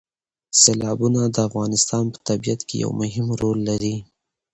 سیلابونه د افغانستان په طبیعت کې یو مهم رول لري.